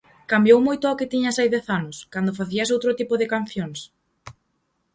Cambiou moito ao que tiñas hai dez anos, cando facías outro tipo de cancións?